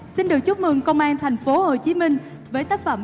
xin được chúc mừng công an thành phố hồ chí minh với tác phẩm